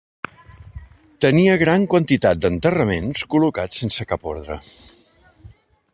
Tenia gran quantitat d'enterraments col·locats sense cap ordre.